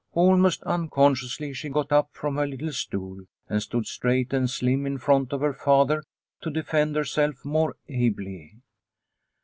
Almost unconsciously she got up from her little stool and stood straight and slim in front of her father to defend herself more ably.